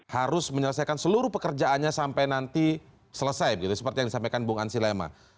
harus menyelesaikan seluruh pekerjaannya sampai nanti selesai seperti yang disampaikan bung an silema